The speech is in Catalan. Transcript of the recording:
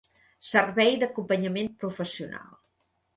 Servei d'acompanyament professional